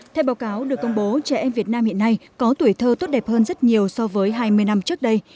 theo báo cáo được công bố trẻ em việt nam hiện nay có tuổi thơ tốt đẹp hơn rất nhiều so với hai mươi năm trước đây